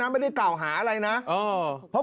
มันไม่ได้มีคิดมาเพริ่งเบื่อวานนี้หรอก